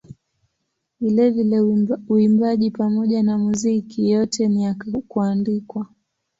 Vilevile uimbaji pamoja na muziki yote ni ya kuandikwa.